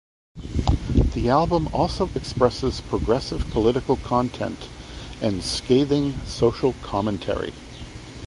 The album also expresses progressive political content and "scathing" social commentary.